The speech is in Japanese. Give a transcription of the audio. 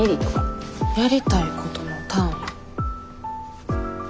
やりたいことの単位。